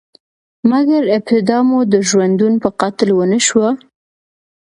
مګر، ابتدا مو د ژوندون په قتل ونشوه؟